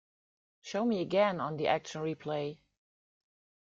Show me again on the action replay